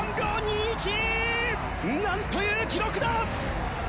なんという記録だ！